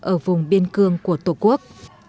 ở vùng biên cương của tổ quốc